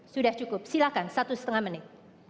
sudah cukup silakan satu setengah menit